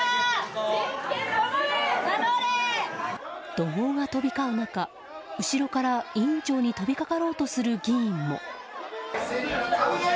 怒号が飛び交う中後ろから委員長に飛びかかろうとする議員も。